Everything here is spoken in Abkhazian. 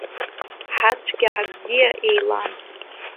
Ҳацәгьа-ҳабзиа еилан.